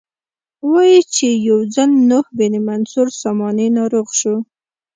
وایي چې یو ځل نوح بن منصور ساماني ناروغ شو.